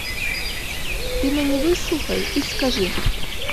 Ты мяне выслухай і скажы.